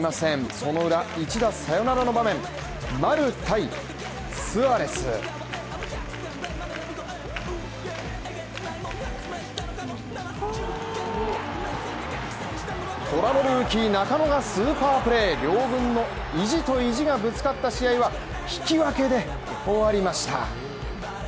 その裏、一打サヨナラの場面で虎のルーキー中野がスーパープレー両分の意地と意地がぶつかった試合引き分けで終わりました。